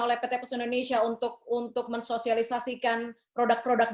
oleh pt pos indonesia untuk membuat produk produk ini